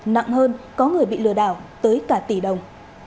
nặng hơn có người bị lừa đảo tới cả tỷ đồng